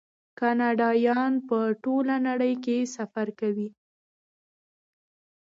کاناډایان په ټوله نړۍ کې سفر کوي.